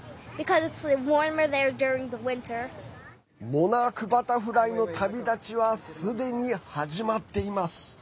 モナークバタフライの旅立ちは、すでに始まっています。